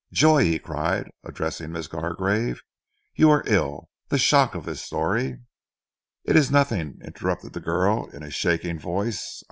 "Joy," he cried addressing Miss Gargrave, "you are ill. The shock of this story " "It is nothing," interrupted the girl in a shaking voice.